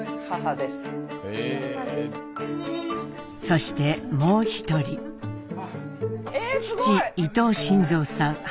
そしてもう一人父伊藤新造さん８５歳。